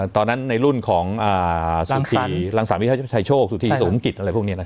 ตอนนั้นในรุ่นของลังสารวิทยาเศรษฐาไชโชคสู่ทีสุมกิจอะไรพวกนี้นะครับ